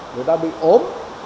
người ta bị ốm